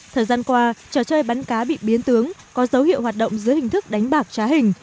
thời gian qua trò chơi bắn cá bị biến tướng có dấu hiệu hoạt động dưới hình thức đánh bạc trá hình